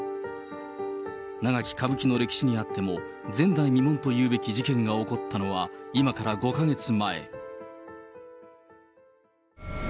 長き歌舞伎の歴史にあっても、前代未聞というべき事件が起こったのは、今から５か月前。